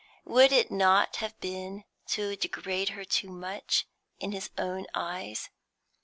Would it not have been to degrade her too much in his own eyes?